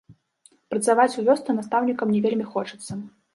Працаваць у вёсцы настаўнікам не вельмі хочацца.